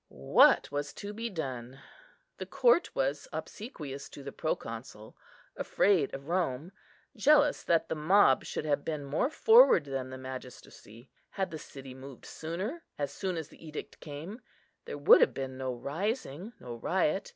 What was to be done? The court was obsequious to the Proconsul, afraid of Rome; jealous that the mob should have been more forward than the magistracy. Had the city moved sooner, as soon as the edict came, there would have been no rising, no riot.